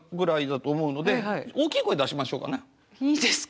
いいですか。